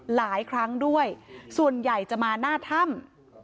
หลายครั้งด้วยส่วนใหญ่จะมาหน้าถ้ำ